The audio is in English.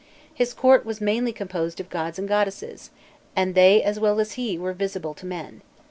His court was mainly composed of gods and goddesses, and they as well as he were visible to men.